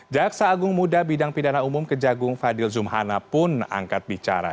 jaksa agung muda bidang pidana umum kejagung fadil zumhana pun angkat bicara